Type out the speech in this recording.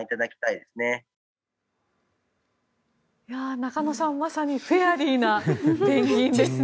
中野さん、まさにフェアリーなペンギンですね。